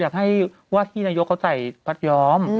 อยากให้ว่าที่นายกเขาใส่พัดย้อม